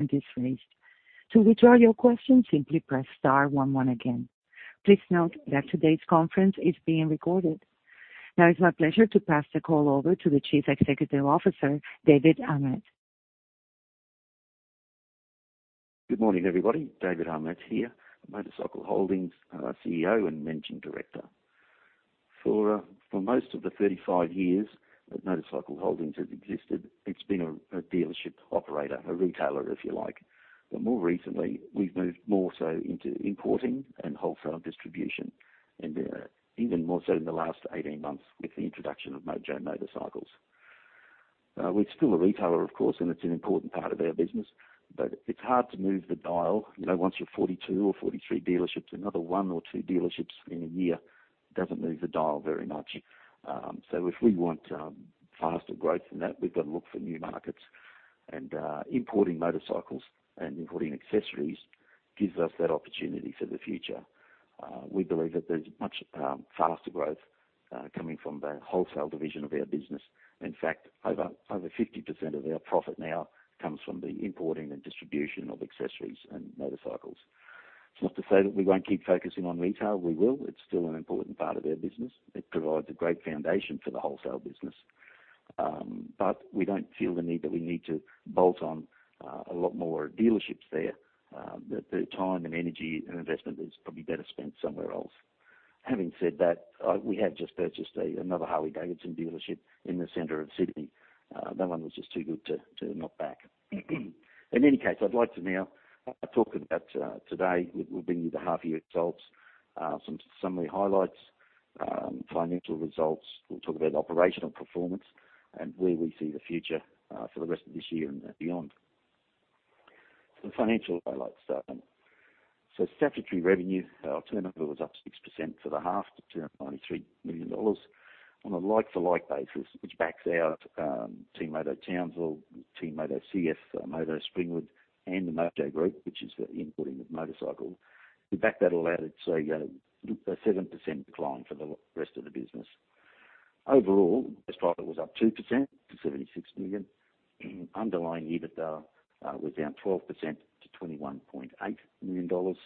To withdraw your question, simply press star one one again. Please note that today's conference is being recorded. Now it's my pleasure to pass the call over to the Chief Executive Officer, David Ahmet. Good morning, everybody. David Ahmet here, MotorCycle Holdings, CEO and Managing Director. For most of the 35 years that MotorCycle Holdings has existed, it's been a dealership operator, a retailer if you like. But more recently, we've moved more so into importing and wholesale distribution, and even more so in the last 18 months with the introduction of Mojo Motorcycles. We're still a retailer, of course, and it's an important part of our business, but it's hard to move the dial. You know, once you're 42 or 43 dealerships, another one or two dealerships in a year doesn't move the dial very much. So if we want faster growth than that, we've got to look for new markets. And importing motorcycles and importing accessories gives us that opportunity for the future. We believe that there's much faster growth coming from the wholesale division of our business. In fact, over 50% of our profit now comes from the importing and distribution of accessories and motorcycles. It's not to say that we won't keep focusing on retail. We will. It's still an important part of our business. It provides a great foundation for the wholesale business. But we don't feel the need that we need to bolt on a lot more dealerships there. The time and energy and investment is probably better spent somewhere else. Having said that, we have just purchased another Harley-Davidson dealership in the center of Sydney. That one was just too good to knock back. In any case, I'd like to now talk about today. We've been with the half-year results, some summary highlights, financial results. We'll talk about operational performance and where we see the future for the rest of this year and beyond. So the financial highlights starting. So statutory revenue, our turnover was up 6% for the half to 293 million dollars on a like-for-like basis, which backs out, TeamMoto Townsville, TeamMoto CFMoto Springwood, and the Mojo Group, which is the importing of motorcycles. We back that all out. It's a, a 7% decline for the rest of the business. Overall, gross profit was up 2% to 76 million. Underlying EBITDA was down 12% to 21.8 million dollars,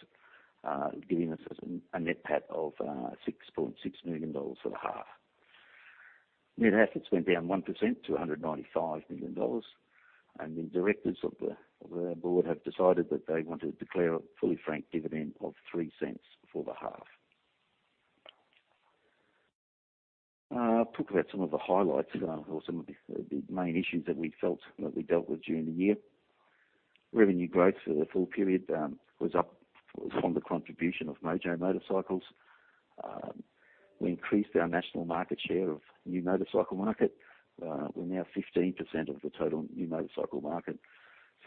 giving us a, a NPAT of, 6.6 million dollars for the half. Net assets went down 1% to 195 million dollars, and the directors of our board have decided that they want to declare a fully franked dividend of 0.03 for the half. Talk about some of the highlights, or some of the, the main issues that we felt that we dealt with during the year. Revenue growth for the full period was up from the contribution of Mojo Motorcycles. We increased our national market share of new motorcycle market. We're now 15% of the total new motorcycle market.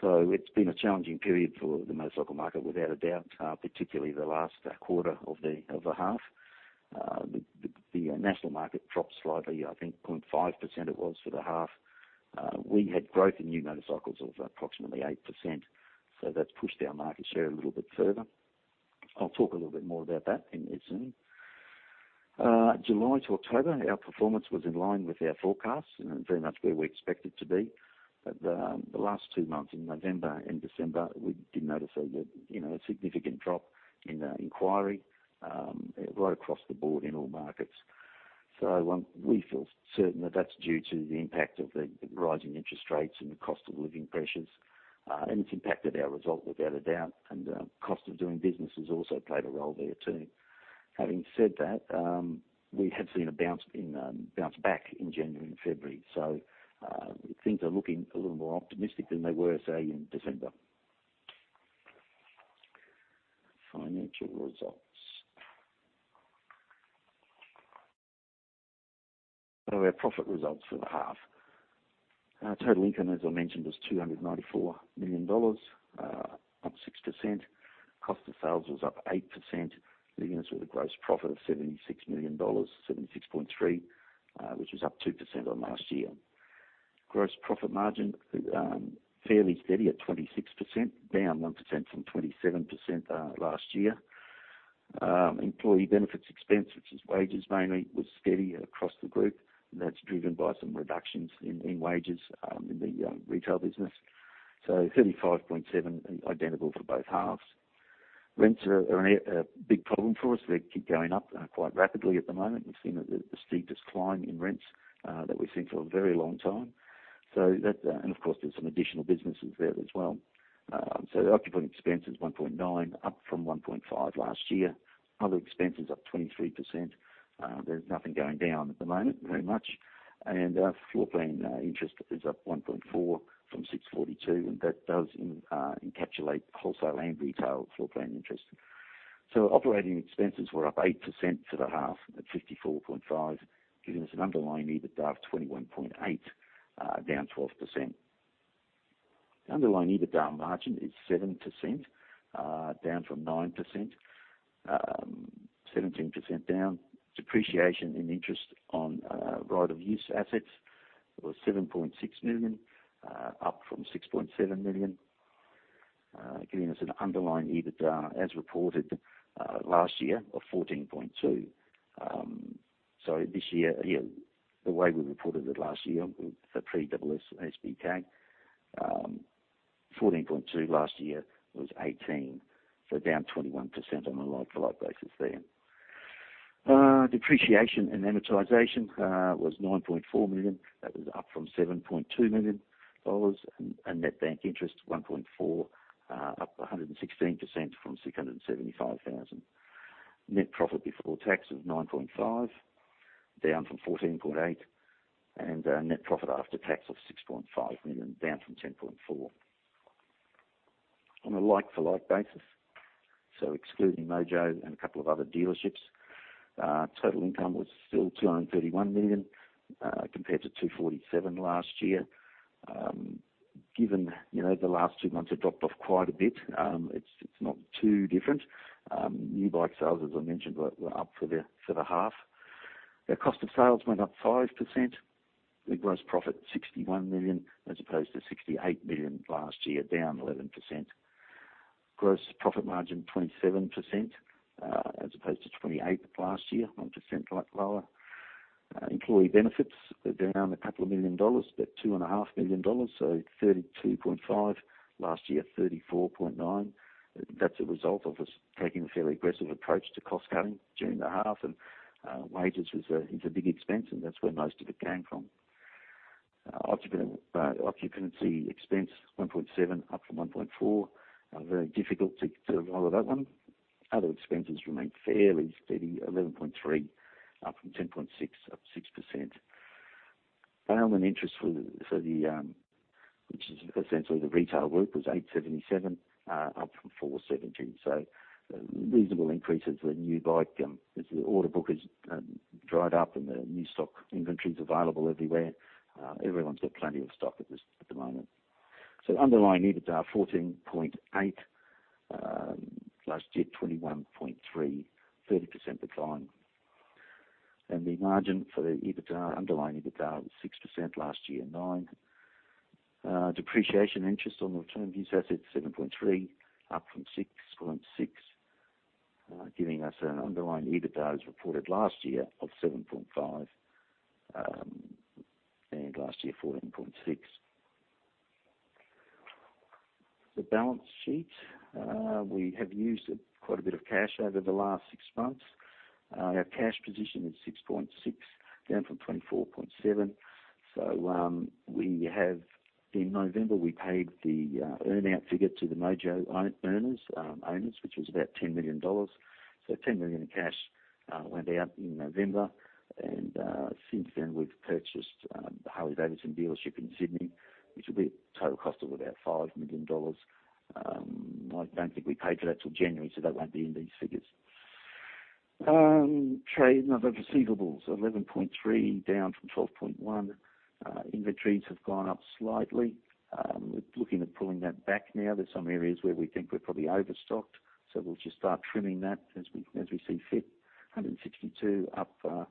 So it's been a challenging period for the motorcycle market, without a doubt, particularly the last quarter of the half. The national market dropped slightly, I think 0.5% it was for the half. We had growth in new motorcycles of approximately 8%, so that's pushed our market share a little bit further. I'll talk a little bit more about that in soon. July to October, our performance was in line with our forecasts and very much where we expected to be. But the last two months, in November and December, we did notice a you know, a significant drop in the inquiry right across the board in all markets. So one, we feel certain that that's due to the impact of the rising interest rates and the cost of living pressures. And it's impacted our result, without a doubt, and cost of doing business has also played a role there too. Having said that, we have seen a bounce back in January and February, so things are looking a little more optimistic than they were, say, in December. Financial results. So our profit results for the half. Total income, as I mentioned, was 294 million dollars, up 6%. Cost of sales was up 8%, leaving us with a gross profit of 76 million dollars, 76.3, which was up 2% on last year. Gross profit margin, fairly steady at 26%, down 1% from 27%, last year. Employee benefits expense, which is wages mainly, was steady across the group, and that's driven by some reductions in wages in the retail business. So 35.7, identical for both halves. Rents are a big problem for us. They keep going up, quite rapidly at the moment. We've seen a steep decline in rents that we've seen for a very long time. So that, and of course, there's some additional businesses there as well. Occupancy expense is 1.9, up from 1.5 last year. Other expenses up 23%. There's nothing going down at the moment, very much. And floor plan interest is up 1.4 from 642, and that does encapsulate wholesale and retail floor plan interest. So operating expenses were up 8% for the half at 54.5, giving us an underlying EBITDA of 21.8, down 12%. Underlying EBITDA margin is 7%, down from 9%, 17% down. Depreciation in interest on right-of-use assets was 7.6 million, up from 6.7 million, giving us an underlying EBITDA, as reported last year, of 14.2. So this year, the way we reported it last year with the pre-AASB tag, 14.2 last year was 18, so down 21% on a like-for-like basis there. Depreciation and amortization was 9.4 million. That was up from 7.2 million dollars, and net bank interest 1.4 million, up 116% from 675,000. Net profit before tax was 9.5, down from 14.8, and net profit after tax was 6.5 million, down from 10.4. On a like-for-like basis, so excluding Mojo and a couple of other dealerships, total income was still 231 million, compared to 247 last year. Given, you know, the last two months have dropped off quite a bit, it's not too different. New bike sales, as I mentioned, were up for the half. The cost of sales went up 5%. The gross profit, 61 million as opposed to 68 million last year, down 11%. Gross profit margin, 27%, as opposed to 28% last year, 1% lower. Employee benefits, down a couple of million dollars, but 2.5 million dollars, so 32.5, last year 34.9. That's a result of us taking a fairly aggressive approach to cost cutting during the half, and wages is a big expense, and that's where most of it came from. Occupancy expense, 1.7, up from 1.4. Very difficult to roll out that one. Other expenses remain fairly steady, 11.3, up from 10.6, up 6%. Bank and interest for the, which is essentially the retail group, was 877, up from 470. So a reasonable increase as the new bike, as the order book has dried up and the new stock inventory's available everywhere, everyone's got plenty of stock at this at the moment. So underlying EBITDA, 14.8, last year 21.3, 30% decline. And the margin for the EBITDA, underlying EBITDA, was 6% last year, 9%. Depreciation interest on the right-of-use assets, 7.3, up from 6.6, giving us an underlying EBITDA as reported last year of 7.5, and last year 14.6. The balance sheet, we have used quite a bit of cash over the last six months. Our cash position is 6.6, down from 24.7. So, in November, we paid the earnout figure to the Mojo owners, which was about 10 million dollars. So 10 million in cash went out in November, and since then we've purchased the Harley-Davidson dealership in Sydney, which will be a total cost of about 5 million dollars. I don't think we paid for that till January, so that won't be in these figures. Trade and other receivables, 11.3, down from 12.1. Inventories have gone up slightly. We're looking at pulling that back now. There's some areas where we think we're probably overstocked, so we'll just start trimming that as we see fit. 162 up from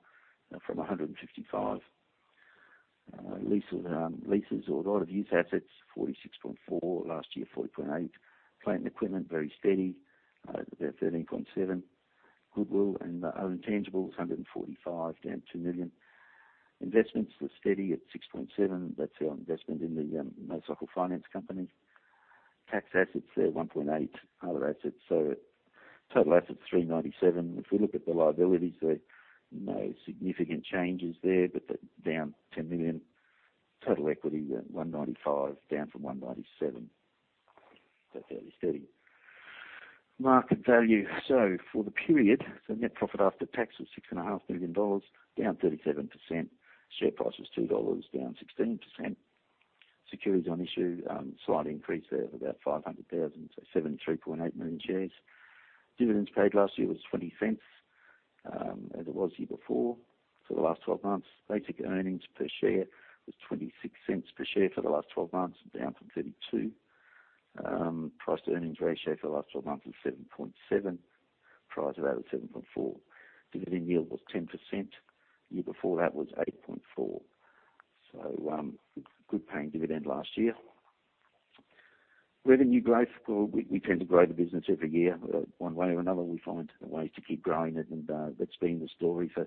155. Leases or right-of-use assets, 46.4 last year, 40.8. Plant and equipment, very steady, they're 13.7. Goodwill and other intangibles, 145, down 2 million. Investments were steady at 6.7. That's our investment in the Motorcycle Finance Company. Tax assets, they're 1.8, other assets. So total assets, 397. If we look at the liabilities, there are no significant changes there, but they're down 10 million. Total equity, 195, down from 197. So fairly steady. Market value. So for the period, so net profit after tax was 6.5 million dollars, down 37%. Share price was 2 dollars, down 16%. Securities on issue, slight increase there of about 500,000, so 73.8 million shares. Dividends paid last year was 0.20, as it was year before for the last 12 months. Basic earnings per share was 0.26 per share for the last 12 months, down from 32. Price-to-earnings ratio for the last 12 months was 7.7, price of that was 7.4. Dividend yield was 10%. Year before that was 8.4%. So, good, good paying dividend last year. Revenue growth, well, we, we tend to grow the business every year. One way or another, we find ways to keep growing it, and that's been the story for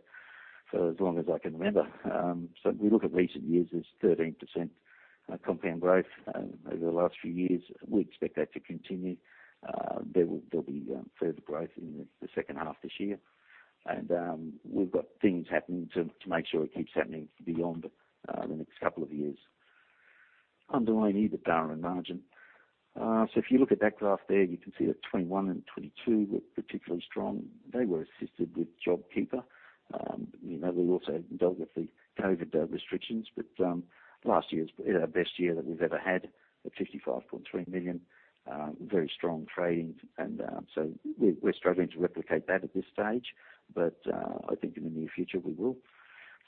as long as I can remember. So if we look at recent years, there's 13% compound growth over the last few years. We expect that to continue. There'll be further growth in the second half this year. And we've got things happening to make sure it keeps happening beyond the next couple of years. Underlying EBITDA and margin. So if you look at that graph there, you can see that 2021 and 2022 were particularly strong. They were assisted with JobKeeper. You know, we also dealt with the COVID restrictions, but last year was our best year that we've ever had at 55.3 million, very strong trading, and so we're struggling to replicate that at this stage, but I think in the near future, we will.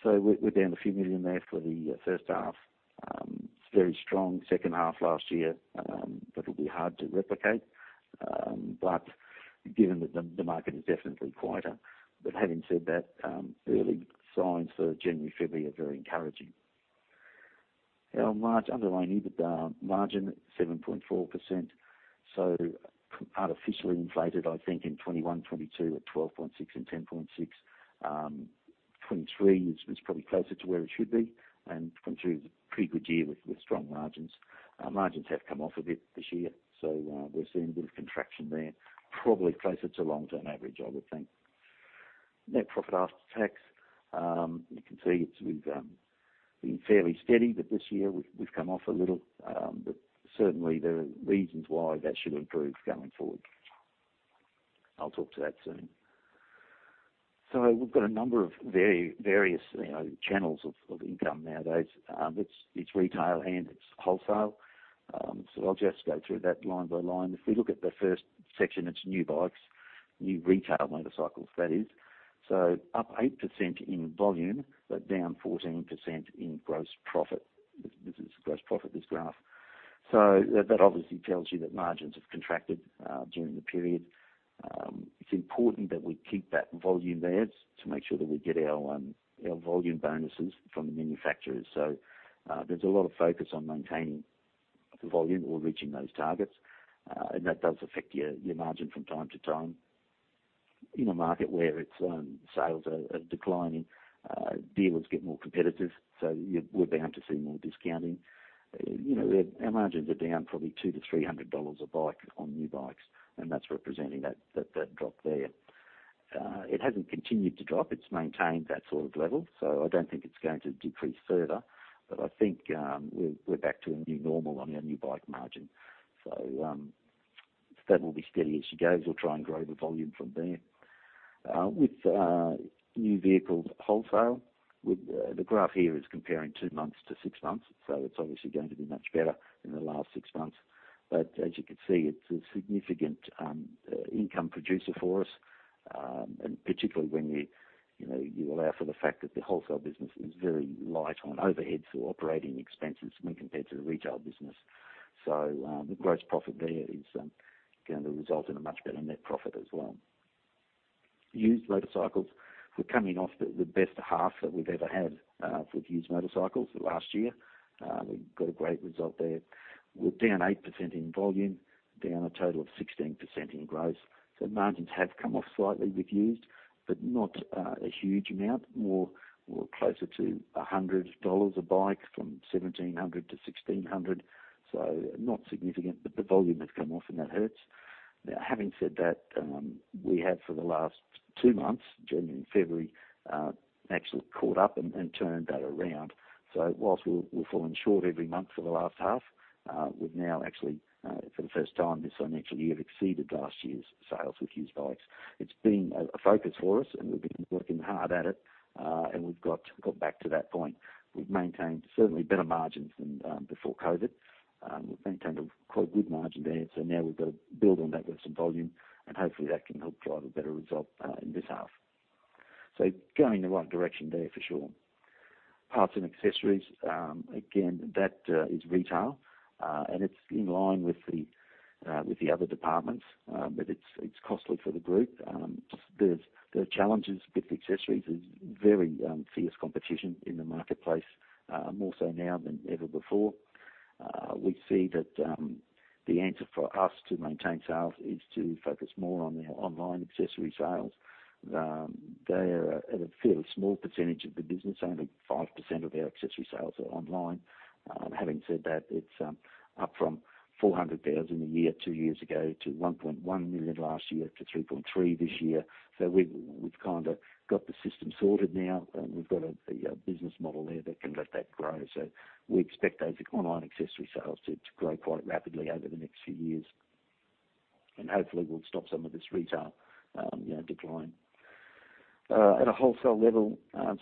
So we're, we're down a few million there for the first half. It's very strong second half last year, that'll be hard to replicate, but given that the market is definitely quieter. But having said that, early signs for January, February are very encouraging. Our March underlying EBITDA margin 7.4%, so artificially inflated, I think, in 2021, 2022 at 12.6% and 10.6%. 2023 is, is probably closer to where it should be, and 2023 was a pretty good year with, with strong margins. Margins have come off a bit this year, so, we're seeing a bit of contraction there, probably closer to long-term average, I would think. Net profit after tax, you can see it's we've, been fairly steady, but this year, we've, we've come off a little. But certainly, there are reasons why that should improve going forward. I'll talk to that soon. So we've got a number of various, you know, channels of income nowadays. It's retail and it's wholesale. So I'll just go through that line by line. If we look at the first section, it's new bikes, new retail motorcycles, that is. So up 8% in volume, but down 14% in gross profit. This is gross profit, this graph. So that obviously tells you that margins have contracted during the period. It's important that we keep that volume there to make sure that we get our volume bonuses from the manufacturers. So there's a lot of focus on maintaining the volume or reaching those targets, and that does affect your margin from time to time. In a market where sales are declining, dealers get more competitive, so we're bound to see more discounting. You know, our margins are down probably 200-300 dollars a bike on new bikes, and that's representing that drop there. It hasn't continued to drop. It's maintained that sort of level, so I don't think it's going to decrease further, but I think we're back to a new normal on our new bike margin. So, that will be steady as she goes. We'll try and grow the volume from there. With new vehicles wholesale, the graph here is comparing 2 months to 6 months, so it's obviously going to be much better in the last 6 months. But as you can see, it's a significant income producer for us, and particularly when, you know, you allow for the fact that the wholesale business is very light on overheads or operating expenses when compared to the retail business. So, the gross profit there is going to result in a much better net profit as well. Used motorcycles, we're coming off the best half that we've ever had with used motorcycles last year. We've got a great result there. We're down 8% in volume, down a total of 16% in gross. So margins have come off slightly with used, but not a huge amount. More closer to 100 dollars a bike from 1,700-1,600, so not significant, but the volume has come off, and that hurts. Now, having said that, we have for the last two months, January and February, actually caught up and turned that around. So whilst we're falling short every month for the last half, we've now actually, for the first time this financial year, have exceeded last year's sales with used bikes. It's been a focus for us, and we've been working hard at it, and we've got back to that point. We've maintained certainly better margins than before COVID. We've maintained a quite good margin there, so now we've got to build on that with some volume, and hopefully, that can help drive a better result in this half. So going the right direction there for sure. Parts and accessories, again, that is retail, and it's in line with the other departments, but it's costly for the group. There are challenges with the accessories. There's very fierce competition in the marketplace, more so now than ever before. We see that the answer for us to maintain sales is to focus more on our online accessory sales. They are at a fairly small percentage of the business, only 5% of our accessory sales are online. Having said that, it's up from 400,000 a year two years ago to 1.1 million last year to 3.3 million this year. So we've kinda got the system sorted now, and we've got a business model there that can let that grow. So we expect those online accessory sales to grow quite rapidly over the next few years, and hopefully, we'll stop some of this retail, you know, decline. At a wholesale level,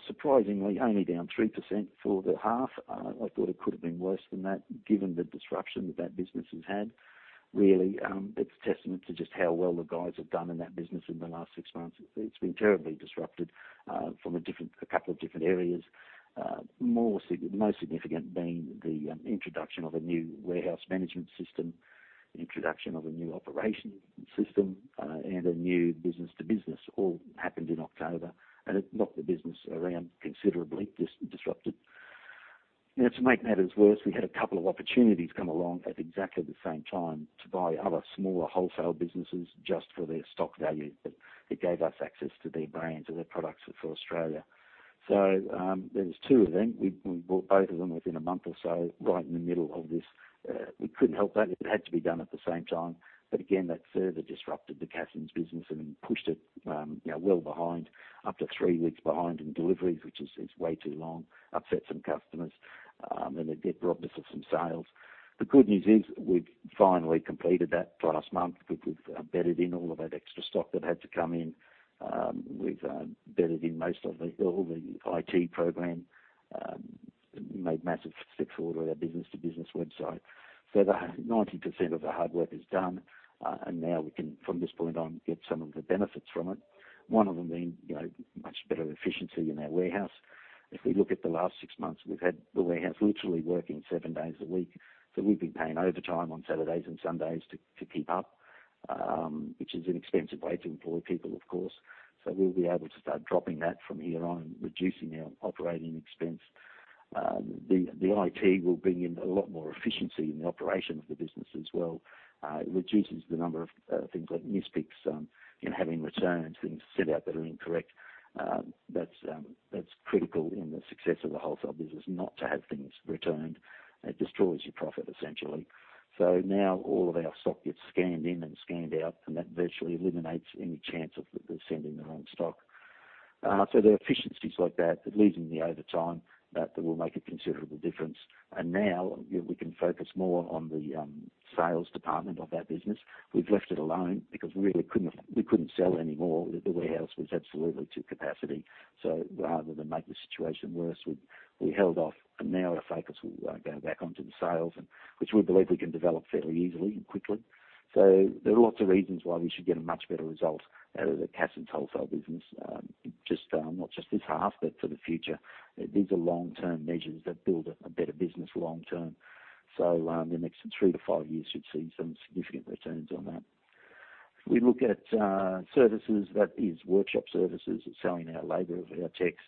surprisingly, only down 3% for the half. I thought it could have been worse than that given the disruption that that business has had, really. It's a testament to just how well the guys have done in that business in the last six months. It's been terribly disrupted, from a couple of different areas. more so, most significant being the introduction of a new warehouse management system, introduction of a new operation system, and a new business-to-business. All happened in October, and it knocked the business around considerably, disrupted. Now, to make matters worse, we had a couple of opportunities come along at exactly the same time to buy other smaller wholesale businesses just for their stock value, but it gave us access to their brands and their products for Australia. So, there was two of them. We bought both of them within a month or so right in the middle of this. We couldn't help that. It had to be done at the same time, but again, that further disrupted the Cassons' business and pushed it, you know, well behind, up to three weeks behind in deliveries, which is way too long, upset some customers, and it did rob us of some sales. The good news is we've finally completed that last month. We've bedded in all of that extra stock that had to come in. We've bedded in most of the IT program, made massive steps forward with our business-to-business website. So the 90% of the hard work is done, and now we can, from this point on, get some of the benefits from it. One of them being, you know, much better efficiency in our warehouse. If we look at the last six months, we've had the warehouse literally working seven days a week, so we've been paying overtime on Saturdays and Sundays to keep up, which is an expensive way to employ people, of course. So we'll be able to start dropping that from here on, reducing our operating expense. The IT will bring in a lot more efficiency in the operation of the business as well. It reduces the number of things like mispicks, you know, having returns, things sent out that are incorrect. That's critical in the success of the wholesale business. Not to have things returned, it destroys your profit, essentially. So now, all of our stock gets scanned in and scanned out, and that virtually eliminates any chance of that they're sending the wrong stock. So there are efficiencies like that, at least in the overtime, that will make a considerable difference. And now, you know, we can focus more on the sales department of that business. We've left it alone because we really couldn't sell anymore. The warehouse was absolutely to capacity. So rather than make the situation worse, we held off, and now our focus will go back onto the sales, which we believe we can develop fairly easily and quickly. So there are lots of reasons why we should get a much better result out of the Cassons' wholesale business, just not just this half, but for the future. These are long-term measures that build a better business long term, so the next three to five years should see some significant returns on that. If we look at services, that is, workshop services, selling our labor, our techs,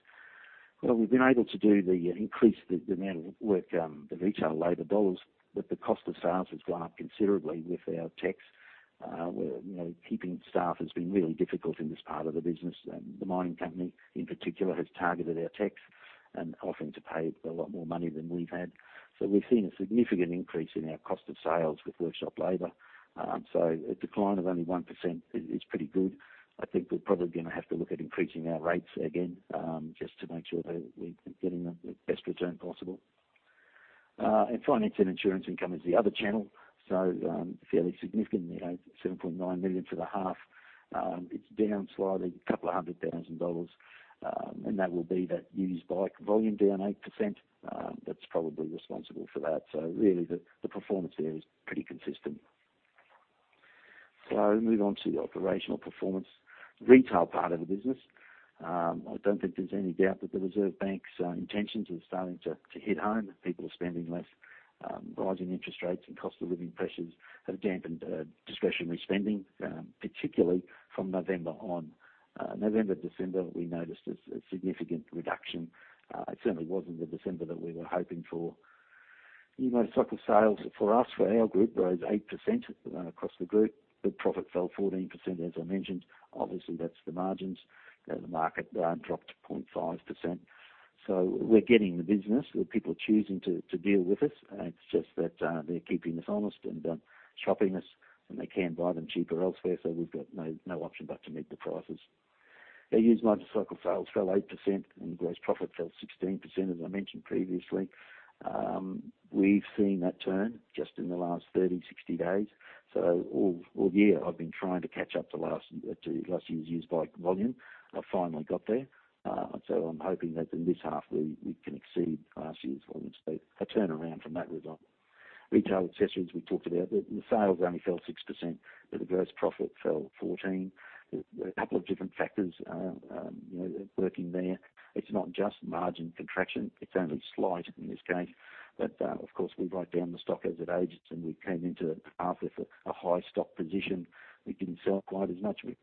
well, we've been able to increase the amount of work, the retail labor dollars, but the cost of sales has gone up considerably with our techs. We're, you know, keeping staff has been really difficult in this part of the business, and the mining company in particular has targeted our techs and offering to pay a lot more money than we've had. So we've seen a significant increase in our cost of sales with workshop labor. So a decline of only 1% is pretty good. I think we're probably going to have to look at increasing our rates again, just to make sure that we're getting the best return possible. Finance and insurance income is the other channel, so, fairly significant, you know, 7.9 million for the half. It's down slightly, 200,000 dollars, and that will be that used bike volume down 8%. That's probably responsible for that. So really, the, the performance there is pretty consistent. So move on to the operational performance. Retail part of the business, I don't think there's any doubt that the Reserve Bank's intentions are starting to, to hit home. People are spending less. Rising interest rates and cost of living pressures have dampened discretionary spending, particularly from November on. November, December, we noticed a, a significant reduction. It certainly wasn't the December that we were hoping for. New motorcycle sales for us, for our group, rose 8% across the group. The profit fell 14%, as I mentioned. Obviously, that's the margins. The market dropped 0.5%. So we're getting the business. People are choosing to, to deal with us. It's just that, they're keeping us honest and, shopping us, and they can't buy them cheaper elsewhere, so we've got no, no option but to meet the prices. Our used motorcycle sales fell 8%, and gross profit fell 16%, as I mentioned previously. We've seen that turn just in the last 30, 60 days. So all, all year, I've been trying to catch up to last, to last year's used bike volume. I've finally got there. So I'm hoping that in this half, we, we can exceed last year's volume, so a turnaround from that result. Retail accessories, we talked about. The, the sales only fell 6%, but the gross profit fell 14%. There's a couple of different factors, you know, working there. It's not just margin contraction. It's only slight in this case. But, of course, we write down the stock as it ages, and we came into the half with a high stock position. We didn't sell quite as much. We've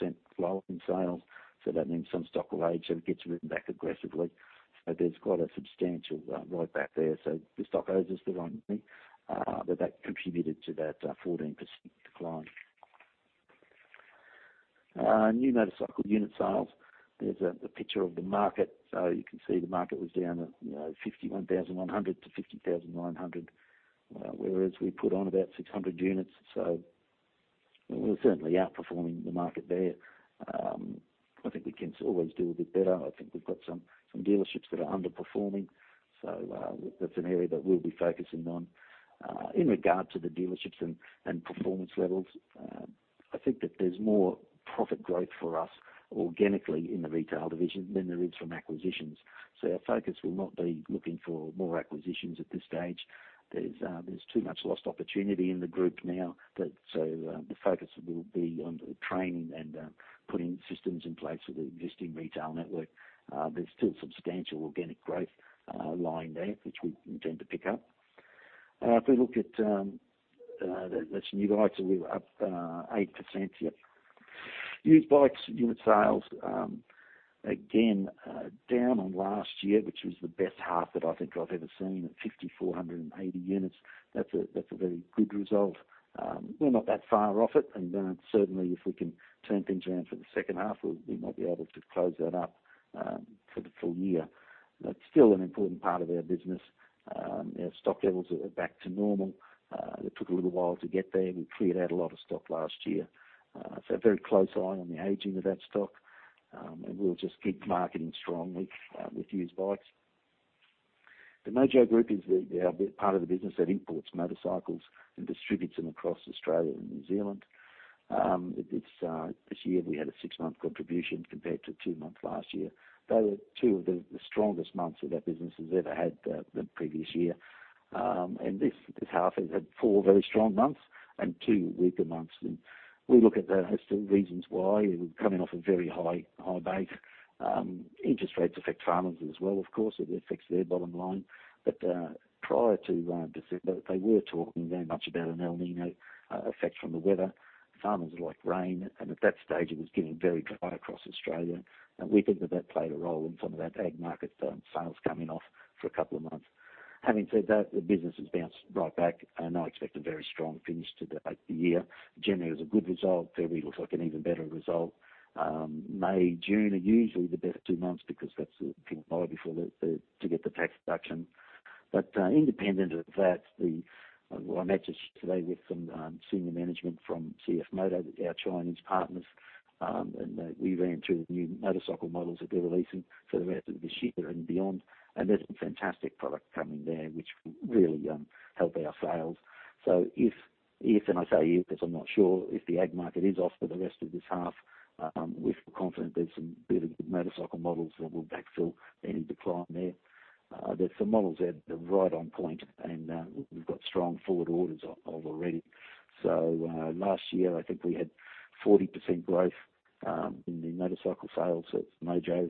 got 6% growth in sales, so that means some stock will age, so it gets written back aggressively. So there's quite a substantial write-back there. So the stock owes us the right money, but that contributed to that 14% decline in new motorcycle unit sales. There's a picture of the market, so you can see the market was down at, you know, 51,100-50,900, whereas we put on about 600 units, so we're certainly outperforming the market there. I think we can always do a bit better. I think we've got some dealerships that are underperforming, so that's an area that we'll be focusing on. In regard to the dealerships and performance levels, I think that there's more profit growth for us organically in the retail division than there is from acquisitions. So our focus will not be looking for more acquisitions at this stage. There's too much lost opportunity in the group now, so the focus will be on training and putting systems in place with the existing retail network. There's still substantial organic growth lying there, which we intend to pick up. If we look at that, that's new bikes, so we're up 8% here. Used bikes unit sales, again, down on last year, which was the best half that I think I've ever seen, at 5,480 units. That's a very good result. We're not that far off it, and certainly, if we can turn things around for the second half, we might be able to close that up for the full year. That's still an important part of our business. Our stock levels are back to normal. It took a little while to get there. We cleared out a lot of stock last year. So very close eye on the aging of that stock, and we'll just keep marketing strongly with used bikes. The Mojo Group is the big part of the business that imports motorcycles and distributes them across Australia and New Zealand. It's this year we had a six-month contribution compared to two months last year. Those are two of the strongest months that our business has ever had the previous year. And this half has had four very strong months and two weaker months. We look at that as to reasons why. We're coming off a very high, high base. Interest rates affect farmers as well, of course. It affects their bottom line. But, prior to December, they were talking very much about an El Niño effect from the weather. Farmers like rain, and at that stage, it was getting very dry across Australia, and we think that that played a role in some of that ag market sales coming off for a couple of months. Having said that, the business has bounced right back, and I expect a very strong finish to the year. January was a good result. February looks like an even better result. May, June are usually the best two months because that's the people buy before the, the to get the tax deduction. But independent of that, well, I met just yesterday with some senior management from CF Moto, our Chinese partners, and we ran through the new motorcycle models that they're releasing, so they're out this year and beyond, and there's some fantastic product coming there, which will really help our sales. So if, and I say if because I'm not sure. If the ag market is off for the rest of this half, we're confident there's some really good motorcycle models that will backfill any decline there. There's some models that are right on point, and we've got strong forward orders over already. So last year, I think we had 40% growth in the motorcycle sales, so it's Mojo,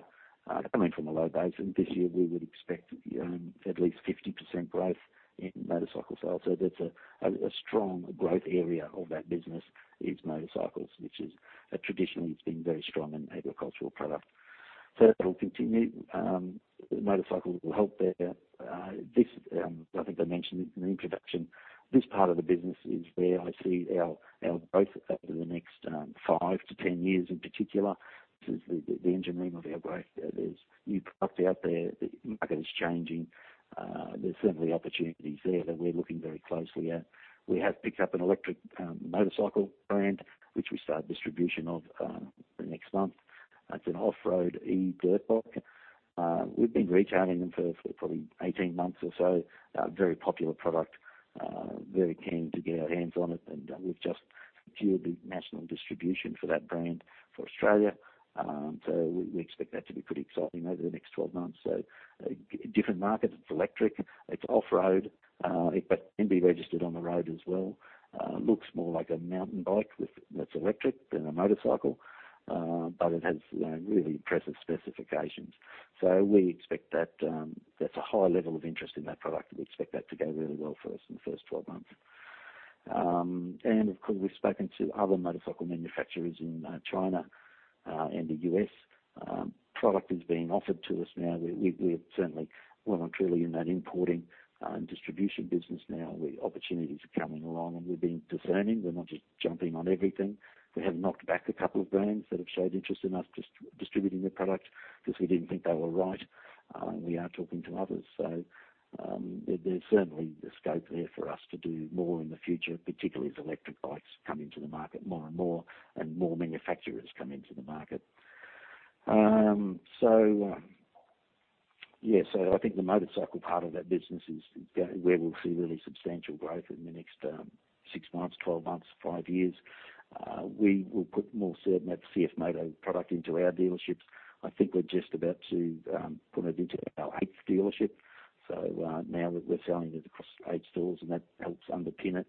coming from a low base. And this year, we would expect at least 50% growth in motorcycle sales. So that's a strong growth area of that business is motorcycles, which is traditionally, it's been very strong an agricultural product. So that'll continue. Motorcycles will help there. This, I think I mentioned in the introduction. This part of the business is where I see our growth over the next five to 10 years in particular. This is the engine room of our growth. There's new product out there. The market is changing. There's certainly opportunities there that we're looking very closely at. We have picked up an electric motorcycle brand, which we start distribution of the next month. It's an off-road e-dirt bike. We've been retailing them for probably 18 months or so. Very popular product, very keen to get our hands on it, and we've just secured the national distribution for that brand for Australia. So we expect that to be pretty exciting over the next 12 months. So, different market. It's electric. It's off-road, but it can be registered on the road as well. It looks more like a mountain bike that's electric than a motorcycle, but it has really impressive specifications. So we expect that. That's a high level of interest in that product. We expect that to go really well for us in the first 12 months. And of course, we've spoken to other motorcycle manufacturers in China and the U.S. Product is being offered to us now. We have certainly. We're not truly in that importing and distribution business now. Opportunities are coming along, and we're being discerning. We're not just jumping on everything. We have knocked back a couple of brands that have showed interest in us just distributing their product because we didn't think they were right. We are talking to others, so there's certainly the scope there for us to do more in the future, particularly as electric bikes come into the market more and more and more manufacturers come into the market. So, yeah. So I think the motorcycle part of that business is going where we'll see really substantial growth in the next six months, 12 months, five years. We will put more CFMoto product into our dealerships. I think we're just about to put it into our eighth dealership. So, now we're selling it across eight stores, and that helps underpin it.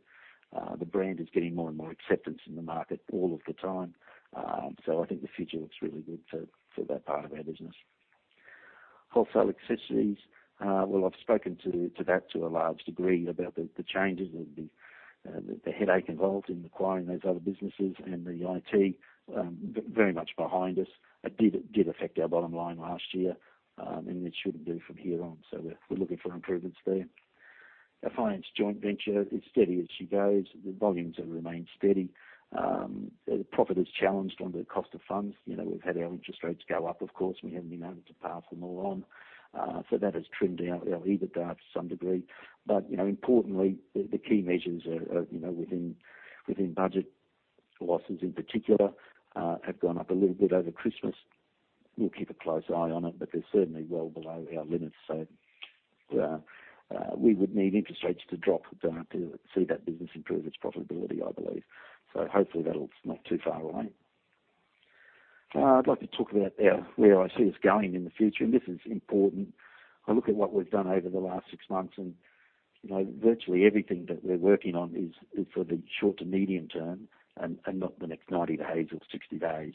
The brand is getting more and more acceptance in the market all of the time, so I think the future looks really good for that part of our business. Wholesale accessories, well, I've spoken to that to a large degree about the changes and the headache involved in acquiring those other businesses and the IT, very much behind us. It did affect our bottom line last year, and it shouldn't from here on, so we're looking for improvements there. Our finance joint venture is steady as she goes. The volumes have remained steady. The profit is challenged on the cost of funds. You know, we've had our interest rates go up, of course. We haven't been able to pass them all on, so that has trimmed our EBITDA to some degree. But, you know, importantly, the key measures are, you know, within budget. Losses in particular, have gone up a little bit over Christmas. We'll keep a close eye on it, but they're certainly well below our limits, so we would need interest rates to drop, to see that business improve its profitability, I believe. So hopefully, that'll not too far away. I'd like to talk about, where I see us going in the future, and this is important. I look at what we've done over the last six months, and, you know, virtually everything that we're working on is for the short to medium term and not the next 90 days or 60 days.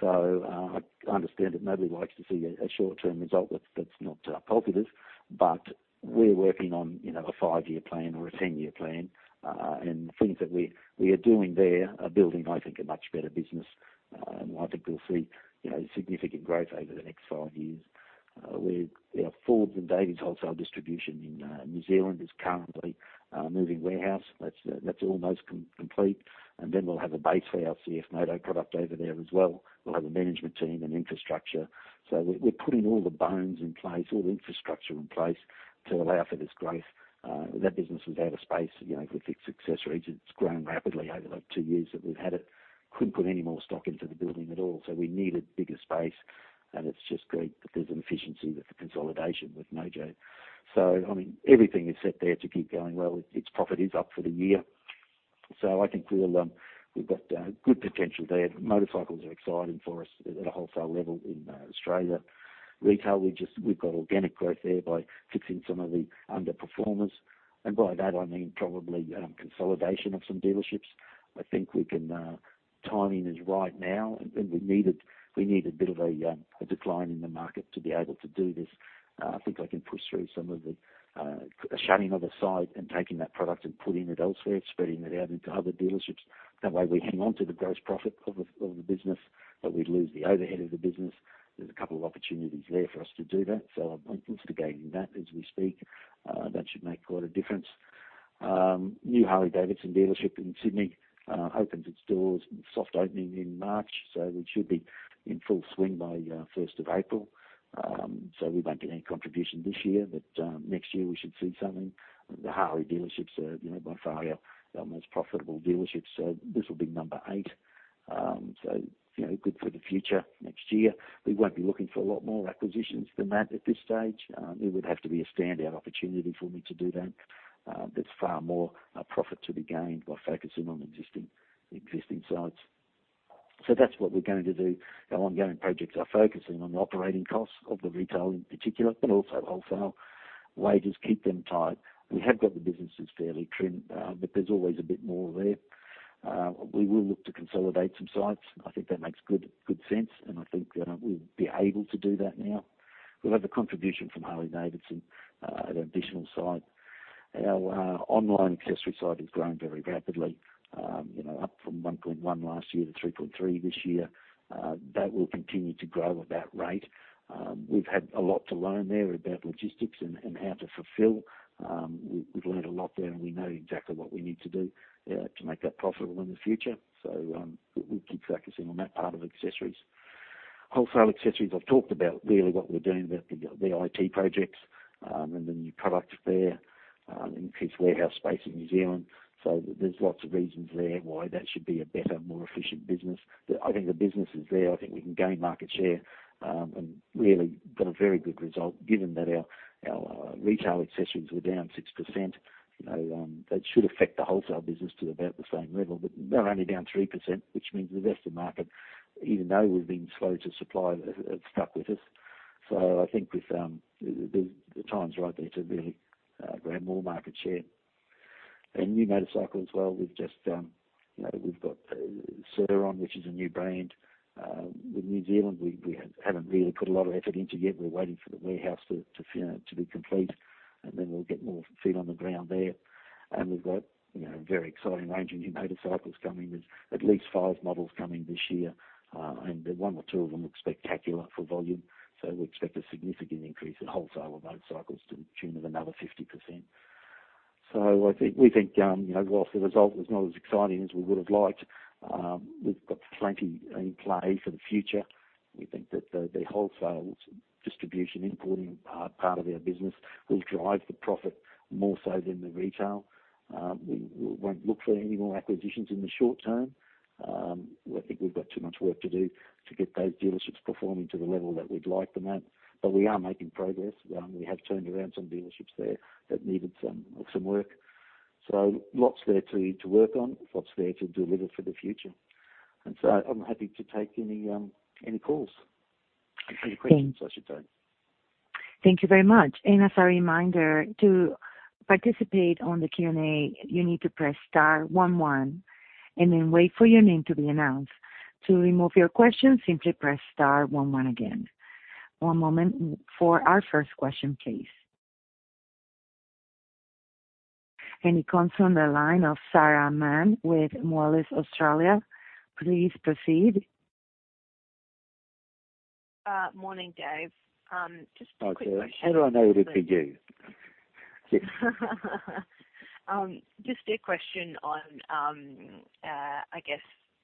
So, I understand that nobody likes to see a short-term result that's not positive, but we're working on, you know, a five-year plan or a 10-year plan, and things that we are doing there are building, I think, a much better business, and I think we'll see, you know, significant growth over the next five years. Our Forbes & Davies wholesale distribution in New Zealand is currently moving warehouse. That's almost complete. And then we'll have a base for our CFMoto product over there as well. We'll have a management team and infrastructure. So we're putting all the bones in place, all the infrastructure in place to allow for this growth. That business was out of space, you know, with its accessories range. It's grown rapidly over the two years that we've had it. Couldn't put any more stock into the building at all, so we needed bigger space, and it's just great that there's an efficiency with the consolidation with Mojo. So, I mean, everything is set there to keep going well. Its profit is up for the year. So I think we've got good potential there. Motorcycles are exciting for us at a wholesale level in Australia. Retail, we've got organic growth there by fixing some of the underperformers, and by that, I mean probably consolidation of some dealerships. I think we can; timing is right now, and we needed a bit of a decline in the market to be able to do this. I think I can push through some of the shutting of a site and taking that product and putting it elsewhere, spreading it out into other dealerships. That way, we hang onto the gross profit of the business, but we lose the overhead of the business. There's a couple of opportunities there for us to do that, so I'm instigating that as we speak. That should make quite a difference. New Harley-Davidson dealership in Sydney opens its doors. Soft opening in March, so we should be in full swing by first of April. So we won't get any contribution this year, but next year, we should see something. The Harley dealerships are, you know, by far our most profitable dealerships, so this will be number eight. So, you know, good for the future next year. We won't be looking for a lot more acquisitions than that at this stage. It would have to be a standout opportunity for me to do that. There's far more profit to be gained by focusing on existing sites. So that's what we're going to do. Our ongoing projects, our focusing on the operating costs of the retail in particular but also wholesale. Wages, keep them tight. We have got the businesses fairly trimmed, but there's always a bit more there. We will look to consolidate some sites. I think that makes good sense, and I think we'll be able to do that now. We'll have a contribution from Harley-Davidson at an additional site. Our online accessory site is growing very rapidly, you know, up from 1.1 last year to 3.3 this year. That will continue to grow at that rate. We've had a lot to learn there about logistics and how to fulfill. We've learned a lot there, and we know exactly what we need to do to make that profitable in the future, so we'll keep focusing on that part of accessories. Wholesale accessories, I've talked about really what we're doing about the IT projects and the new product there, increased warehouse space in New Zealand, so there's lots of reasons there why that should be a better, more efficient business. I think the business is there. I think we can gain market share, and really got a very good result given that our retail accessories were down 6%. You know, that should affect the wholesale business to about the same level, but they're only down 3%, which means the rest of the market, even though we've been slow to supply, stuck with us. So I think the time's right there to really grab more market share. And new motorcycle as well. We've just, you know, we've got, Sur-Ron, which is a new brand. With New Zealand, we, we haven't really put a lot of effort into yet. We're waiting for the warehouse to finish to be complete, and then we'll get more feet on the ground there. And we've got, you know, a very exciting range of new motorcycles coming. There's at least five models coming this year, and one or two of them look spectacular for volume, so we expect a significant increase in wholesale of motorcycles to the tune of another 50%. So I think we think, you know, whilst the result was not as exciting as we would have liked, we've got plenty in play for the future. We think that the, the wholesale distribution, importing, part of our business will drive the profit more so than the retail. We won't look for any more acquisitions in the short term. I think we've got too much work to do to get those dealerships performing to the level that we'd like them at, but we are making progress. We have turned around some dealerships there that needed some work. So lots there to work on. Lots there to deliver for the future. And so I'm happy to take any calls and any questions, I should say. Thank you very much. And as a reminder, to participate on the Q&A, you need to press star one one and then wait for your name to be announced. To remove your question, simply press star one one again. One moment for our first question, please. And it comes from the line of Sarah Mann with Moelis Australia. Please proceed. Morning, Dave. Just a quick question. So how do I know it'd be you? Just a question on, I guess,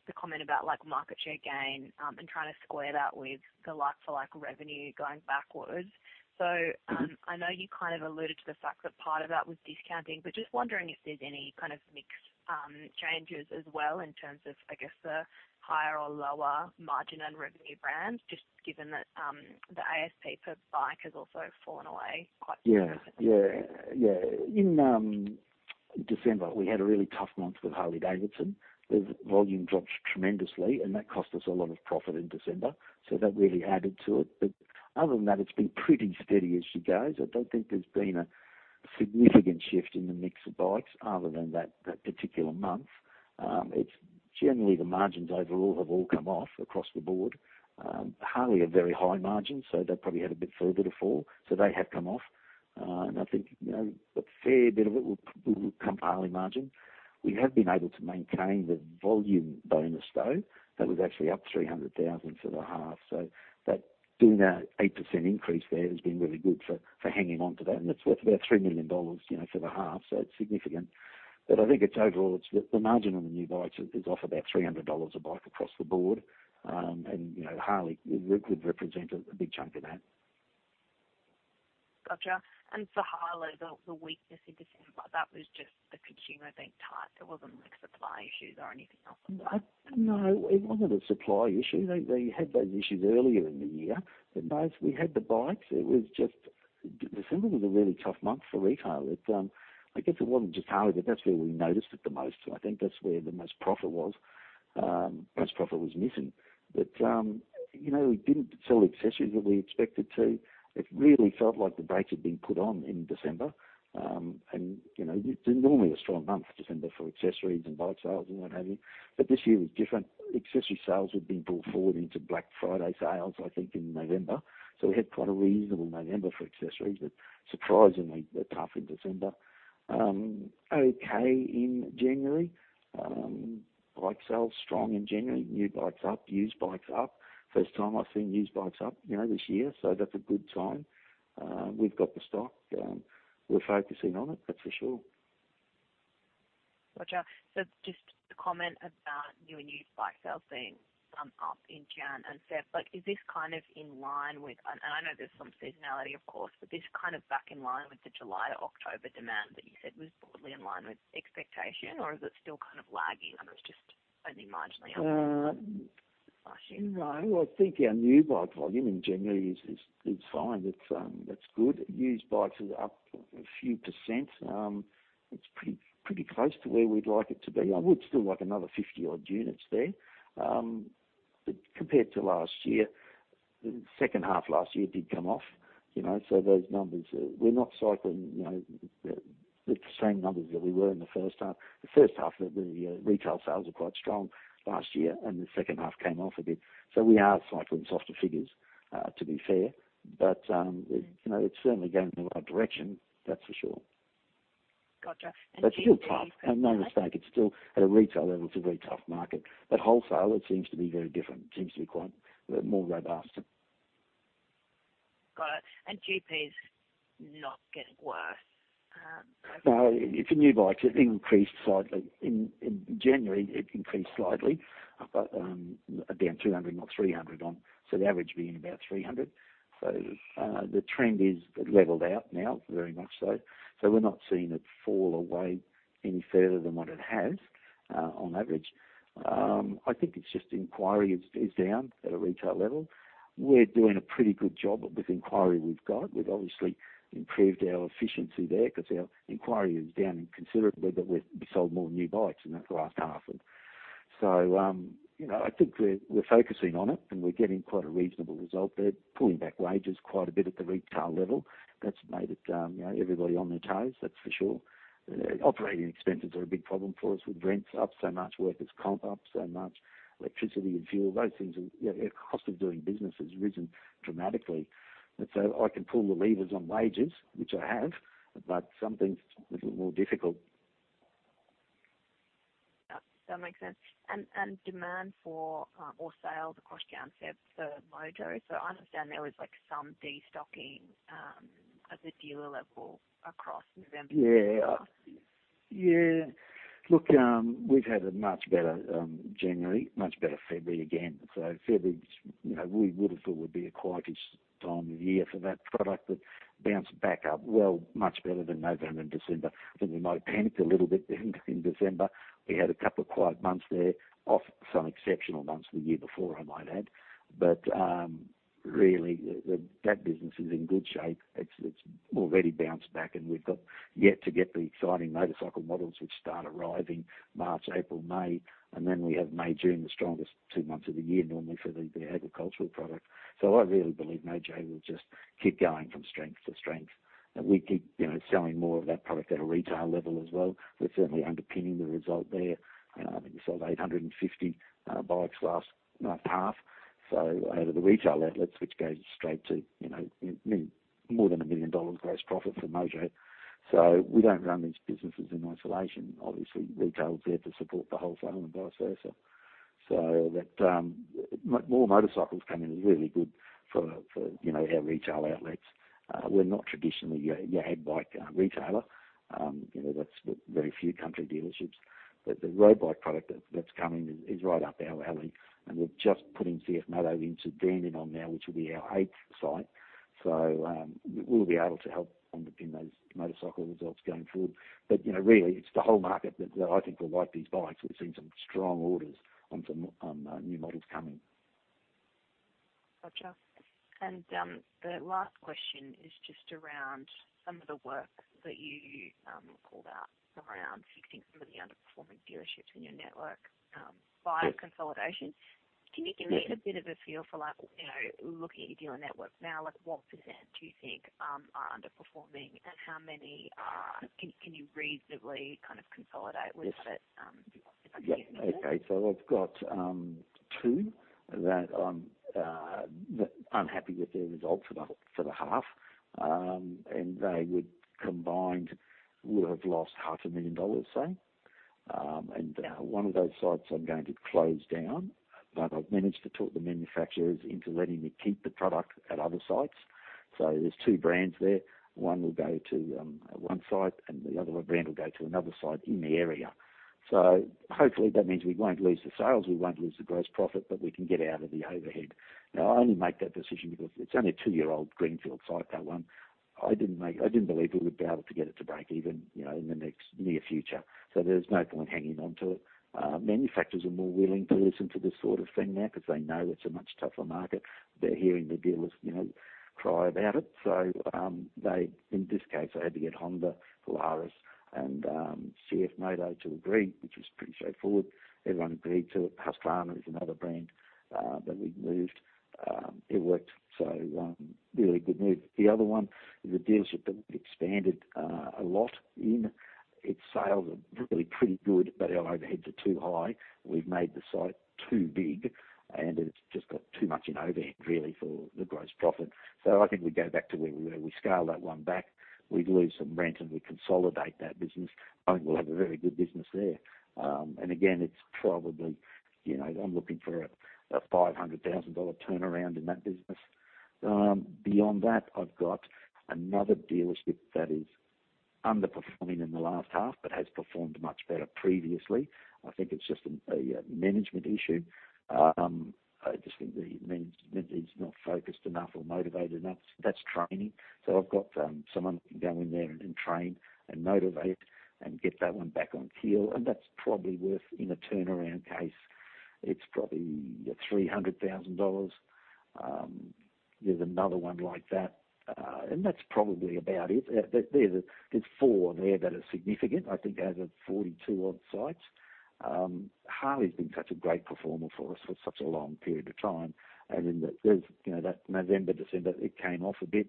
the comment about, like, market share gain, and trying to square that with the like-for-like revenue going backwards. So, I know you kind of alluded to the fact that part of that was discounting, but just wondering if there's any kind of mix changes as well in terms of, I guess, the higher or lower margin on revenue brands, just given that the ASP per bike has also fallen away quite significantly. Yeah. Yeah. Yeah. In December, we had a really tough month with Harley-Davidson. The volume dropped tremendously, and that cost us a lot of profit in December, so that really added to it. But other than that, it's been pretty steady as she goes. I don't think there's been a significant shift in the mix of bikes other than that, that particular month. It's generally, the margins overall have all come off across the board. Harley are very high margins, so they probably had a bit further to fall, so they have come off. And I think, you know, a fair bit of it will, will come. Harley margin. We have been able to maintain the volume bonus, though. That was actually up 300,000 for the half, so that doing that 8% increase there has been really good for, for hanging onto that, and it's worth about 3 million dollars, you know, for the half, so it's significant. But I think it's overall, it's the, the margin on the new bikes is, is off about 300 dollars a bike across the board, and, you know, Harley would represent a, a big chunk of that. Gotcha. For Harley, the, the weakness in December, that was just the consumer being tight. It wasn't like supply issues or anything else at all? I know, it wasn't a supply issue. They, they had those issues earlier in the year, but, guys, we had the bikes. It was just December was a really tough month for retail. It, I guess it wasn't just Harley, but that's where we noticed it the most. I think that's where the most profit was, most profit was missing. But, you know, we didn't sell accessories that we expected to. It really felt like the brakes had been put on in December, and, you know, it's normally a strong month, December, for accessories and bike sales and what have you, but this year was different. Accessory sales had been pulled forward into Black Friday sales, I think, in November, so we had quite a reasonable November for accessories but surprisingly a tough December. Okay in January. Bike sales strong in January. New bikes up. Used bikes up. First time I've seen used bikes up, you know, this year, so that's a good time. We've got the stock. We're focusing on it, that's for sure. Gotcha. So just a comment about you and used bike sales being up in January and February, but is this kind of in line with, and I know there's some seasonality, of course, but this kind of back in line with the July to October demand that you said was broadly in line with expectation, or is it still kind of lagging, and it's just only marginally up? No. Well, I think our new bike volume in January is fine. It's good. Used bikes are up a few percent. It's pretty close to where we'd like it to be. I would still like another 50-odd units there, but compared to last year, the second half last year did come off, you know, so those numbers, we're not cycling, you know, the same numbers that we were in the first half. The first half, the retail sales were quite strong last year, and the second half came off a bit, so we are cycling softer figures, to be fair, but it, you know, it's certainly going in the right direction, that's for sure. Gotcha. And GP's. That's still tough. And no mistake, it's still at a retail level, it's a very tough market, but wholesale, it seems to be very different. It seems to be quite more robust. Got it. And GP's not getting worse, overall? No, it's for new bikes. It increased slightly. In January, it increased slightly, but down 200, not 300 on. So, the average being about 300. So, the trend is leveled out now, very much so, so we're not seeing it fall away any further than what it has, on average. I think it's just inquiry is down at a retail level. We're doing a pretty good job with inquiry we've got. We've obviously improved our efficiency there 'cause our inquiry is down considerably, but we sold more new bikes in that last half of it. So, you know, I think we're focusing on it, and we're getting quite a reasonable result there. Pulling back wages quite a bit at the retail level, that's made it, you know, everybody on their toes, that's for sure. Operating expenses are a big problem for us with rents up so much, workers' comp up so much, electricity and fuel. Those things are, you know, our cost of doing business has risen dramatically, and so I can pull the levers on wages, which I have, but some things are a little more difficult. Yep. That makes sense. And demand for, or sales across January and February for Mojo, so I understand there was, like, some destocking at the dealer level across November and March. Yeah. Yeah. Look, we've had a much better January, much better February again, so February's, you know, we would have thought would be a quietest time of year for that product but bounced back up well, much better than November and December. I think we might have panicked a little bit in December. We had a couple of quiet months there, off some exceptional months the year before, I might add, but really, that business is in good shape. It's already bounced back, and we've got yet to get the exciting motorcycle models which start arriving March, April, May, and then we have May, June, the strongest two months of the year normally for the agricultural product. So I really believe Mojo will just keep going from strength to strength, and we keep, you know, selling more of that product at a retail level as well. We're certainly underpinning the result there. You know, I think we sold 850 bikes last half, so out of the retail outlets, which goes straight to, you know, AUD 1 million, more than 1 million dollars gross profit for Mojo. So we don't run these businesses in isolation. Obviously, retail's there to support the wholesale and vice versa, so that more motorcycles coming is really good for, you know, our retail outlets. We're not traditionally a ag bike retailer. You know, that's with very few country dealerships. But the road bike product that's coming is right up our alley, and we're just putting CFMoto into Brisbane now, which will be our eighth site, so we'll be able to help underpin those motorcycle results going forward. But, you know, really, it's the whole market that I think will like these bikes. We've seen some strong orders on some new models coming. Gotcha. And the last question is just around some of the work that you called out around, so you think some of the underperforming dealerships in your network via consolidation. Can you give me a bit of a feel for, like, you know, looking at your dealer network now, like, what percent do you think are underperforming, and how many can you reasonably kind of consolidate with that, if I can use the word? Yeah. Okay. So I've got two that that I'm happy with their results for the half, and they combined would have lost 500,000 dollars, say. And one of those sites, I'm going to close down, but I've managed to talk the manufacturers into letting me keep the product at other sites, so there's two brands there. One will go to one site, and the other brand will go to another site in the area. So hopefully, that means we won't lose the sales. We won't lose the gross profit, but we can get out of the overhead. Now, I only make that decision because it's only a two-year-old Greenfield site, that one. I didn't believe we would be able to get it to break even, you know, in the next near future, so there's no point hanging onto it. Manufacturers are more willing to listen to this sort of thing now 'cause they know it's a much tougher market. They're hearing the dealers, you know, cry about it, so, they in this case, I had to get Honda, Polaris, and, CFMoto to agree, which was pretty straightforward. Everyone agreed to it. Husqvarna is another brand, that we moved. It worked, so, really good move. The other one is a dealership that we've expanded, a lot in. Its sales are really pretty good, but our overheads are too high. We've made the site too big, and it's just got too much in overhead, really, for the gross profit, so I think we go back to where we were. We scale that one back. We'd lose some rent, and we consolidate that business. I think we'll have a very good business there. And again, it's probably, you know, I'm looking for a 500,000 dollar turnaround in that business. Beyond that, I've got another dealership that is underperforming in the last half but has performed much better previously. I think it's just a management issue. I just think the management is not focused enough or motivated enough. That's training. So I've got someone that can go in there and train and motivate and get that one back on keel, and that's probably worth, in a turnaround case, it's probably 300,000 dollars. There's another one like that, and that's probably about it. There are four there that are significant. I think I have 42-odd sites. Harley's been such a great performer for us for such a long period of time, and in the, you know, that November, December, it came off a bit.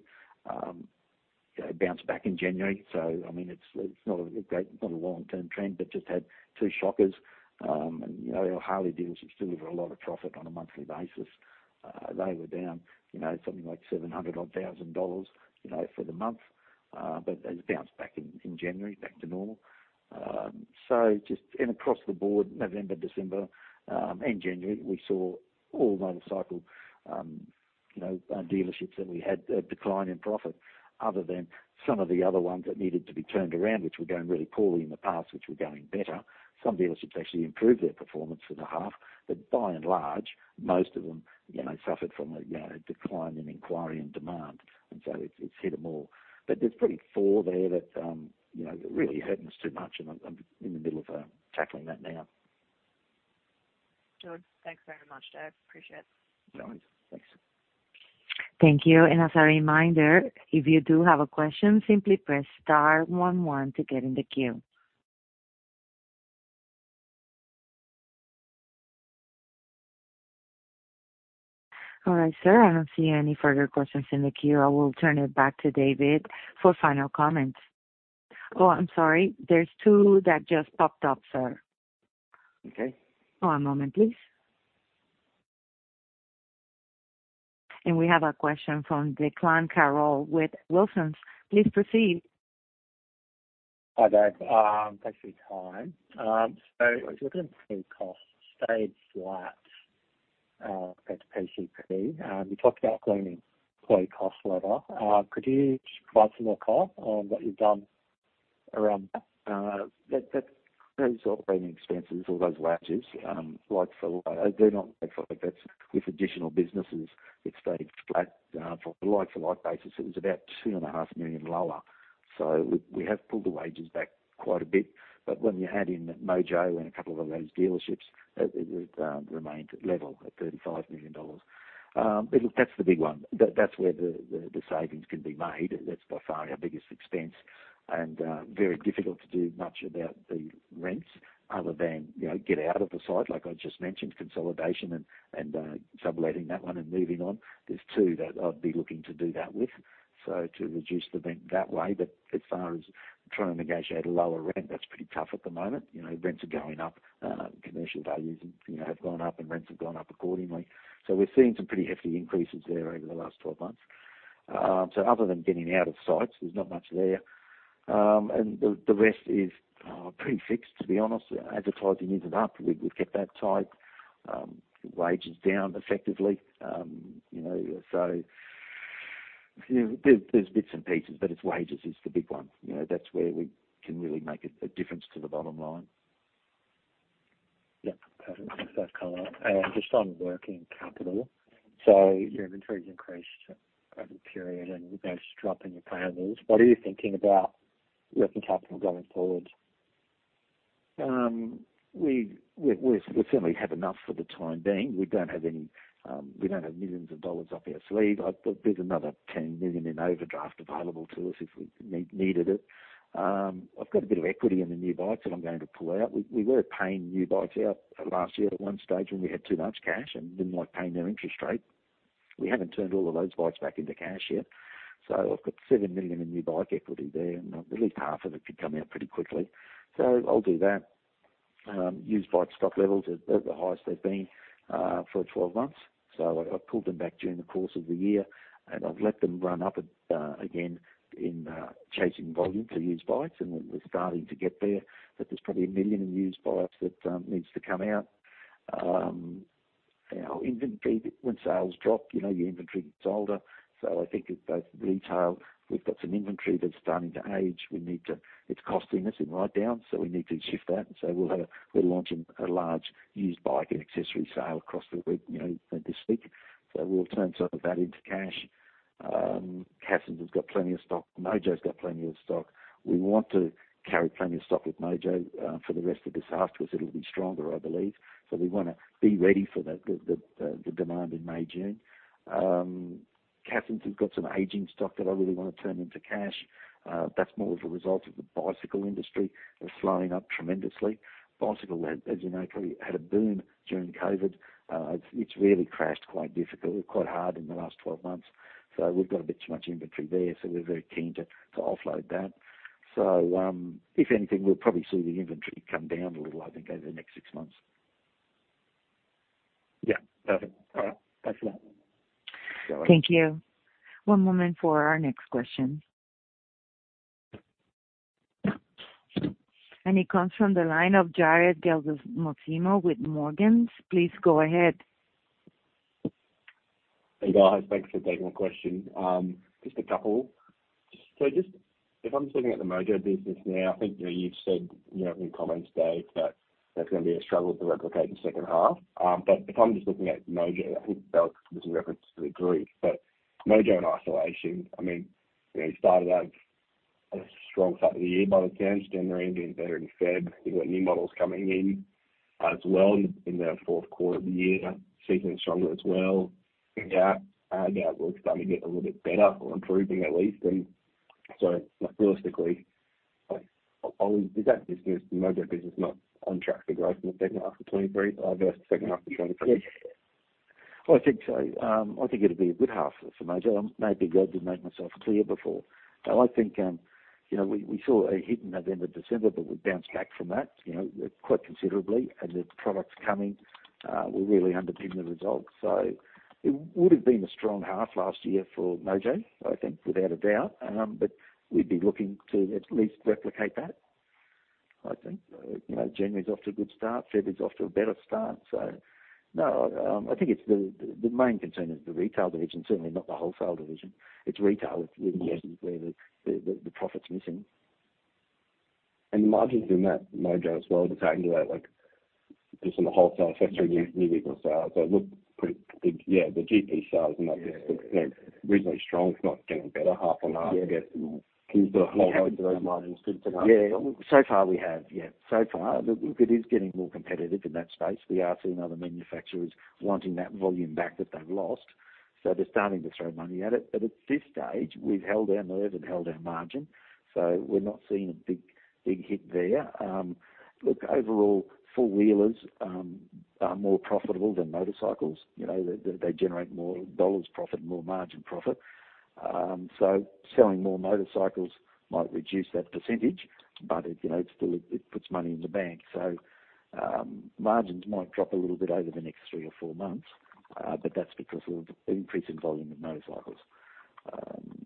It bounced back in January, so, I mean, it's not a great long-term trend but just had two shockers, and, you know, our Harley dealerships deliver a lot of profit on a monthly basis. They were down, you know, something like 700,000-odd dollars for the month, but has bounced back in January, back to normal. So just and across the board, November, December, and January, we saw all motorcycle, you know, dealerships that we had a decline in profit other than some of the other ones that needed to be turned around, which were going really poorly in the past, which were going better. Some dealerships actually improved their performance for the half, but by and large, most of them, you know, suffered from a, you know, a decline in inquiry and demand, and so it's, it's hit them all. But there's probably four there that, you know, really hurt us too much, and I'm, I'm in the middle of, tackling that now. Good. Thanks very much, Dave. Appreciate it. No worries. Thanks. Thank you. As a reminder, if you do have a question, simply press star one one to get in the queue. All right, sir. I don't see any further questions in the queue. I will turn it back to David for final comments. Oh, I'm sorry. There's two that just popped up, sir. Oh, one moment, please. And we have a question from Declan Carroll with Wilsons. Please proceed. Hi, Dave. Thanks for your time. So we're talking about cost. It stayed flat, compared to PCP. You talked about. Quite a cost line there. Could you just provide some more context on what you've done around that? Yeah. That, that covers all operating expenses, all those wages, like-for-like they're not like-for-like that's with additional businesses, it stayed flat. For like-for-like basis, it was about 2.5 million lower, so we have pulled the wages back quite a bit, but when you add in Mojo and a couple of others dealerships, it remained level at 35 million dollars. But look, that's the big one. That's where the savings can be made. That's by far our biggest expense, and very difficult to do much about the rents other than, you know, get out of the site, like I just mentioned, consolidation and subletting that one and moving on. There's two that I'd be looking to do that with, so to reduce the rent that way, but as far as trying to negotiate a lower rent, that's pretty tough at the moment. You know, rents are going up. Commercial values and, you know, have gone up, and rents have gone up accordingly, so we're seeing some pretty hefty increases there over the last 12 months. So other than getting out of sites, there's not much there. And the rest is pretty fixed, to be honest. Advertising isn't up. We've kept that tight. Wages down effectively, you know, so you know, there's bits and pieces, but it's wages is the big one. You know, that's where we can really make a difference to the bottom line. Yep. Perfect. Thank for the colour. And just on working capital, so your inventory's increased over the period, and you've noticed a drop in your payables. What are you thinking about working capital going forward? We're certainly have enough for the time being. We don't have any, we don't have millions of dollars up our sleeve. There's another 10 million in overdraft available to us if we need, needed it. I've got a bit of equity in the new bikes that I'm going to pull out. We were paying new bikes out last year at one stage when we had too much cash and didn't like paying their interest rate. We haven't turned all of those bikes back into cash yet, so I've got 7 million in new bike equity there, and at least half of it could come out pretty quickly, so I'll do that. Used bike stock levels are at the highest they've been for 12 months, so I've pulled them back during the course of the year, and I've let them run up again in chasing volume for used bikes, and we're starting to get there, but there's probably 1 million in used bikes that needs to come out. Our inventory when sales drop, you know, your inventory gets older, so I think it both retail we've got some inventory that's starting to age. We need to. It's costing us in write-downs, so we need to shift that, so we'll have a. We're launching a large used bike and accessory sale across the web, you know, this week, so we'll turn some of that into cash. Cassons has got plenty of stock. Mojo's got plenty of stock. We want to carry plenty of stock with Mojo, for the rest of this afterwards. It'll be stronger, I believe, so we wanna be ready for the demand in May, June. Cassons has got some aging stock that I really wanna turn into cash. That's more of a result of the bicycle industry slowing up tremendously. Bicycle, as you know, probably had a boom during COVID. It's really crashed quite difficult quite hard in the last 12 months, so we've got a bit too much inventory there, so we're very keen to offload that. So, if anything, we'll probably see the inventory come down a little, I think, over the next six months. Yep. Perfect. All right. Thanks for that. Thank you. One moment for our next question. It comes from the line of Jared Gelsomino with Morgans. Please go ahead. Hey, guys. Thanks for taking the question. Just a couple, so if I'm just looking at the Mojo business now, I think, you know, you've said, you know, in comments, Dave, that there's gonna be a struggle to replicate the second half. But if I'm just looking at Mojo, I think, but there's some reference to the group, but Mojo in isolation, I mean, you know, you started out as a strong start of the year by the time trading being better in February. You've got new models coming in, as well, in the fourth quarter of the year. Season is stronger as well. Yeah. Yeah. We're starting to get a little bit better or improving, at least, and so realistically, like, is that business, the Mojo business, not on track for growth in the second half of 2023? Versus the second half of 2023? Well, I think so. I think it'll be a good half for Mojo. I may be glad to make myself clear before. I think, you know, we saw a hit in November, December, but we bounced back from that, you know, quite considerably, and the products coming will really underpin the results, so it would've been a strong half last year for Mojo, I think, without a doubt, but we'd be looking to at least replicate that, I think. You know, January's off to a good start. Feb is off to a better start, so no, I think it's the main concern is the retail division, certainly not the wholesale division. It's retail is where the profit's missing. And the margins in that Mojo as well, just talking to that, like, just on the wholesale sector, new, new vehicle sales, they look pretty, yeah, the GP sales in that business look, you know, reasonably strong. It's not getting better half on half, I guess. Can you sort of hold on to those margins? Good to know. Yeah. So far we have. Yeah. So far, look, look, it is getting more competitive in that space. We are seeing other manufacturers wanting that volume back that they've lost, so they're starting to throw money at it, but at this stage, we've held our nerve and held our margin, so we're not seeing a big, big hit there. Look, overall, four-wheelers are more profitable than motorcycles. You know, they generate more dollars profit, more margin profit, so selling more motorcycles might reduce that percentage, but it, you know, it's still it, it puts money in the bank, so margins might drop a little bit over the next three or four months, but that's because of increase in volume of motorcycles.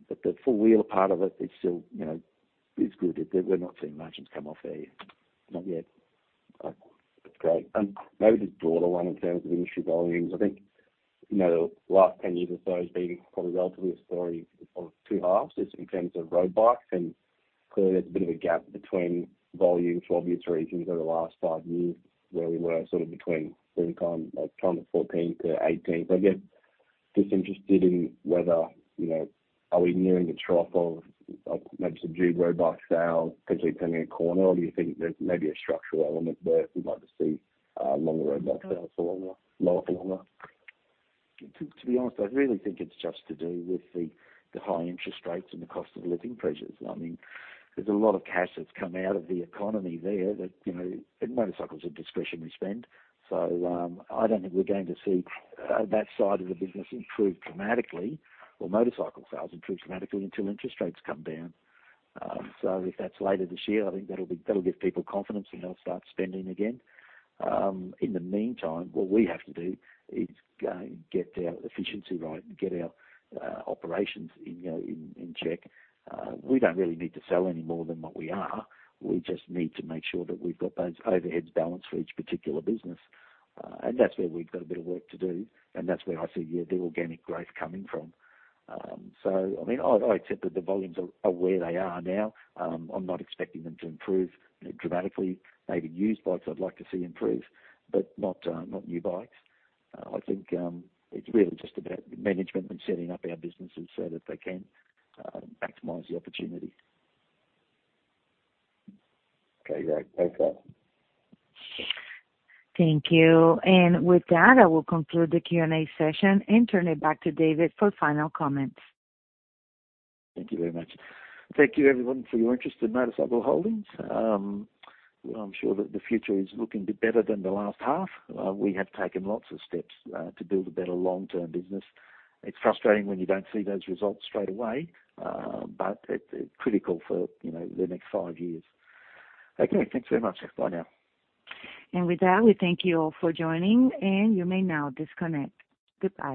But the four-wheeler part of it is still, you know, is good. We're not seeing margins come off there. Not yet. That's great. And maybe just broader one in terms of industry volumes. I think, you know, the last 10 years or so has been probably relatively a story of two halves in terms of road bikes, and clearly, there's a bit of a gap between volume for obvious reasons over the last five years where we were, sort of between sometime like 2014-2018, so I guess disinterested in whether, you know, are we nearing the trough of, like, maybe some huge road bike sales, potentially turning a corner, or do you think there's maybe a structural element where we'd like to see, longer road bike sales for longer lower for longer? To, to be honest, I really think it's just to do with the, the high interest rates and the cost of living pressures. I mean, there's a lot of cash that's come out of the economy there that, you know, and motorcycles are discretionary spend, so, I don't think we're going to see that side of the business improve dramatically or motorcycle sales improve dramatically until interest rates come down. So if that's later this year, I think that'll be that'll give people confidence, and they'll start spending again. In the meantime, what we have to do is get our efficiency right and get our operations in, you know, in, in check. We don't really need to sell any more than what we are. We just need to make sure that we've got those overheads balanced for each particular business, and that's where we've got a bit of work to do, and that's where I see, yeah, the organic growth coming from. So, I mean, I accept that the volumes are where they are now. I'm not expecting them to improve, you know, dramatically. Maybe used bikes, I'd like to see improve, but not new bikes. I think it's really just about management and setting up our businesses so that they can maximize the opportunity. Okay. Great. Thanks, Dave. Thank you. And with that, I will conclude the Q&A session and turn it back to David for final comments. Thank you very much. Thank you, everyone, for your interest in MotorCycle Holdings. I'm sure that the future is looking better than the last half. We have taken lots of steps to build a better long-term business. It's frustrating when you don't see those results straight away, but it's critical for, you know, the next five years. Okay. Thanks very much. Bye now. With that, we thank you all for joining, and you may now disconnect. Goodbye.